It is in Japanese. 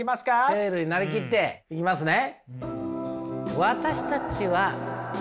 セールになりきっていきますね。